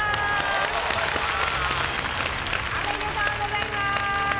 おめでとうございまーす！